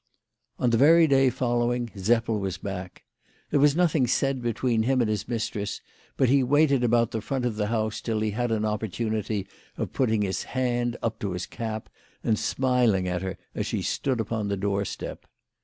On the very day following Seppel was back. There was nothing said between him and his mistress, but he waited about the front of the house till he had an opportunity of putting his hand up to his cap and smiling at her as she stood upon the doorstep.